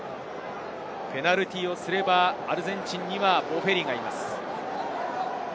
ペナルティーをすればアルゼンチンにはボフェリがいます。